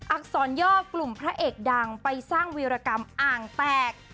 อักษรย่อกลุ่มพระเอกดังไปสร้างวีรกรรมอ่างแตก